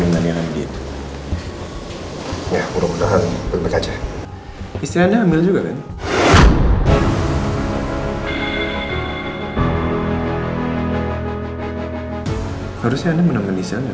dengan randit ya mudah mudahan bebek aja istrinya ambil juga kan harusnya anda menemani saya